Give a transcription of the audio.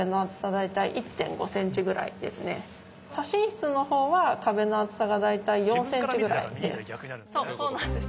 左心室のほうは壁の厚さが大体４ｃｍぐらいです。